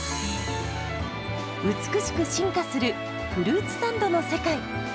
美しく進化するフルーツサンドの世界。